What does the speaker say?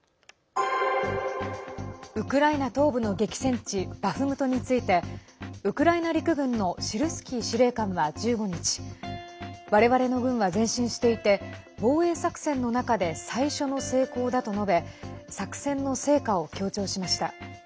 ウクライナの東部の激戦地バフムトについてウクライナ陸軍のシルスキー司令官は１５日我々の軍は前進していて防衛作戦の中で最初の成功だと述べ作戦の成果を強調しました。